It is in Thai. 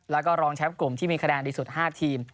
แล้วก็รองแชมป์กลุ่มที่มีคะแนนดีสุด๕ทีม